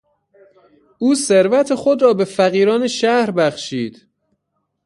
او ثروت خود را به فقیران شهر بخشید.